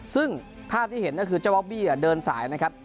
ซึ่งภาพที่เห็นก็คือเจ้าบ๊อบบี้เดินสายนะครับ